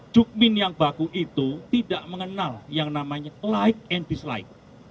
jukmin yang baku itu tidak mengenal yang namanya like and dislike